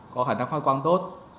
có khả năng phát quang tốt